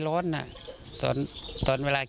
รถฟังต้องการ